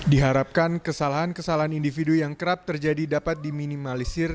diharapkan kesalahan kesalahan individu yang kerap terjadi dapat diminimalisir